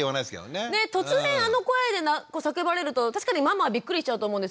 ねっ突然あの声で何か叫ばれると確かにママはびっくりしちゃうと思うんですけど。